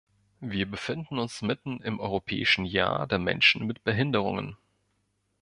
Wir befinden uns mitten im Europäischen Jahr der Menschen mit Behinderungen.